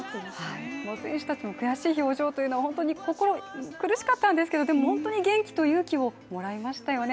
選手たちの悔しい表情というのは本当に心苦しかったんですけどでも本当に元気と勇気をもらいましたよね。